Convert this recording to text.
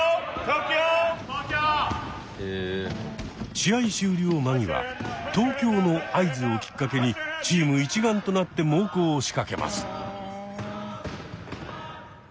試合終了間際「東京」の合図をきっかけにチーム一丸となって猛攻を仕掛けます。